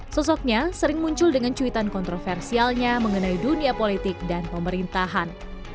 sosoknya sering muncul dengan cuitan kontroversialnya mengenai dunia politik dan pemerintahan